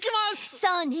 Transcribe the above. そうね！